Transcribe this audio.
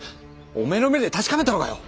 お前の目で確かめたのかよ？